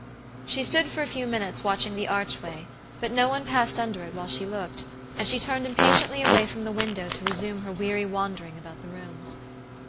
She stood for a few minutes watching the archway, but no one passed under it while she looked, and she turned impatiently away from the window to resume her weary wandering about the rooms.